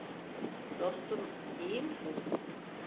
Dostum, iyi misin?